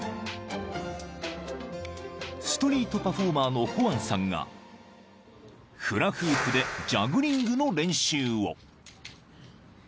［ストリートパフォーマーのホアンさんがフラフープでジャグリングの練習を］